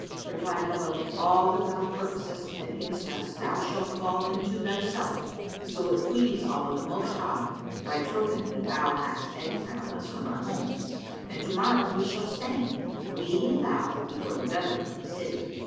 Replied Hubub, "All that thou purposest against us thou shall fall into thyself, so it please Allah the Most High, by token that thou hast exiled us from our homes, and to morrow we shall stand, we and thou, before the Governor of the city."